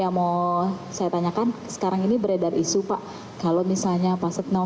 yang mau saya tanyakan sekarang ini beredar isu pak kalau misalnya pas